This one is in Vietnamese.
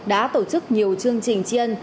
đã tổ chức nhiều chương trình chiên